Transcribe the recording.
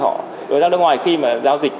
họ đối tác nước ngoài khi mà giao dịch